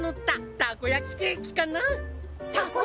たこ焼きケーキ！？